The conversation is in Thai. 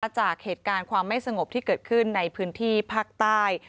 จากเหตุการณ์ความไม่สงบที่เกิดขึ้นในพื้นที่ภาคใต้